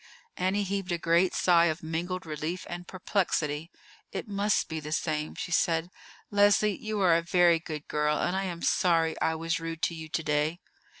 Annie heaved a great sigh of mingled relief and perplexity. "It must be the same," she said. "Leslie, you are a very good girl, and I am sorry I was rude to you to day."